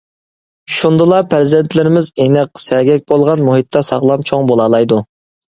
شۇندىلا پەرزەنتلىرىمىز ئېنىق، سەگەك بولغان مۇھىتتا ساغلام چوڭ بولالايدۇ.